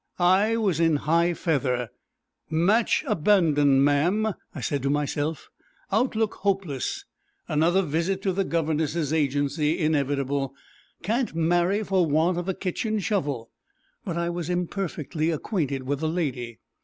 I was in high feather. "Match abandoned, ma'am," I said to myself; "outlook hopeless; another visit to the Governesses' Agency inevitable; can't marry for want of a kitchen shovel." But I was imperfectly acquainted with the lady.